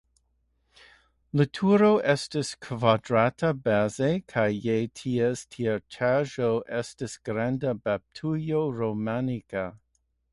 La turo estas kvadrata baze kaj je ties teretaĝo estas granda baptujo romanika.